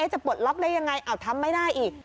ปลดล็อกได้ยังไงทำไม่ได้อีก